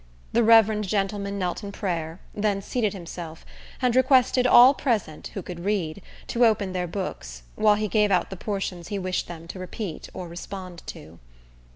The reverend gentleman knelt in prayer, then seated himself, and requested all present, who could read, to open their books, while he gave out the portions he wished them to repeat or respond to.